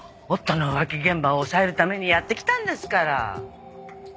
夫の浮気現場を押さえるためにやって来たんですから。